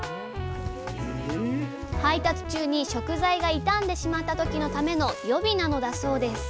配達中に食材が傷んでしまった時のための予備なのだそうです。